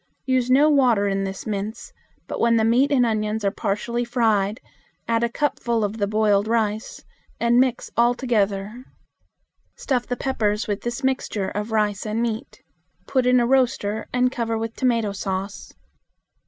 Use no water in this mince, but when the meat and onions are partially fried add a cupful of the boiled rice, and mix all together. Stuff the peppers with this mixture of rice and meat. Put in a roaster and cover with tomato sauce.